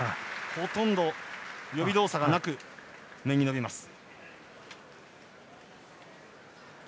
ほとんど予備動作がなく面に飛びます。